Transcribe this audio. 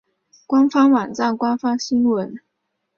官方网站官方新闻